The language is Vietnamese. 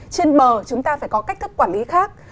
trên bờ chúng ta phải có cách thức quản lý khác